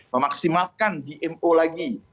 memaksimalkan dmo lagi